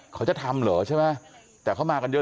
เขาจะทำเหรอใช่ไหมแต่เขามากันเยอะ